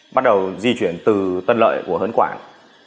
bắt đầu di chuyển từ tân lợi của hớn quảng